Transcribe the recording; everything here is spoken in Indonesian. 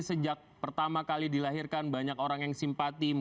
sejak pertama kali dilahirkan banyak orang yang simpati